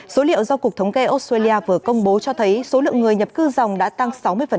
số liệu do cục thống kê australia vừa công bố cho thấy số lượng người nhập cư dòng đã tăng sáu mươi